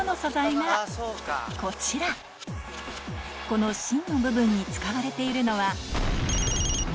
こちらこの芯の部分に使われているのは